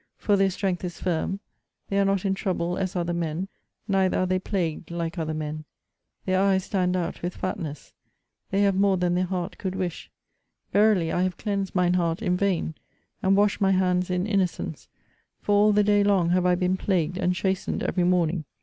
For their strength is firm: they are not in trouble as other men; neither are they plagued like other men their eyes stand out with fatness: they have more than their heart could wish verily I have cleansed mine heart in vain, and washed my hands in innocence; for all the day long have I been plagued, and chastened every morning.